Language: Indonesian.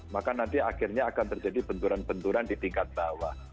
maka nanti akhirnya akan terjadi benturan benturan di tingkat bawah